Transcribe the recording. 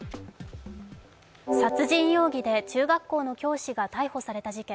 殺人容疑で中学校の教師が逮捕された事件。